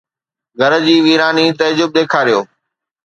گھر جي ويراني تعجب! ڏيکاريو